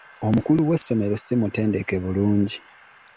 Omukulu w'essomero si mutendeke bulungi.